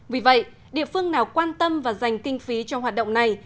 vì vậy địa phương nào quan tâm và dành kinh phí cho hoạt động này